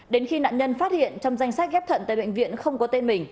đến khi nạn nhân phát hiện trong danh sách ghép thận tại bệnh viện không có tên mình